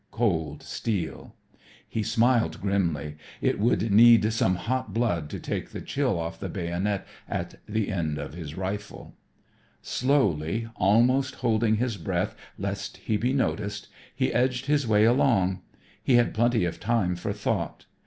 Cold steel! He smiled grimly. It would need some hot blood to take the chill off the bayonet at the end of his rifle. Slowly, almost holding his breath lest he be noticed, he edged his way along. He had plenty of time for thought.